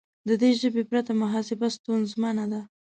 د دې ژبې پرته محاسبه ستونزمنه ده.